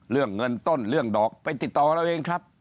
เรื่องเงินต้นเรื่องดอกไปติดต่อเราเองครับ